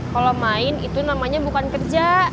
kalau main itu namanya bukan kerja